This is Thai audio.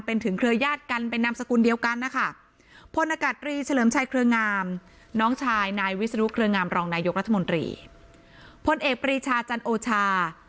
เป็นถึงเครือยาศกันเป็นนำสกุลเดียวกันนะคะ